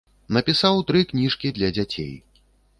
Напісаў тры кніжкі для дзяцей.